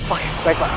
oke baik pak